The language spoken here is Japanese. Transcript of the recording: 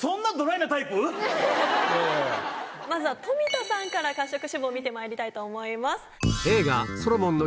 まずは富田さんから褐色脂肪見てまいりたいと思います。